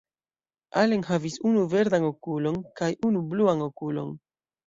Allen havis unu verdan okulon kaj unu bluan okulon.